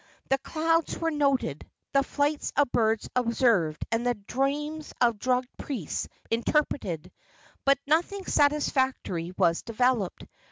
The clouds were noted, the flights of birds observed, and the dreams of drugged priests interpreted, but nothing satisfactory was developed.